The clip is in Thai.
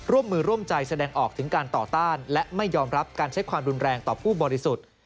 ร่วมมือร่วมใจแสดงออกถึงการต่อต้านและไม่ยอมรับการใช้ความรุนแรงต่อผู้บริสุทธิ์